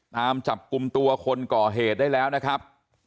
ตามจับกลุ่มตัวคนก่อเหตุได้แล้วนะครับ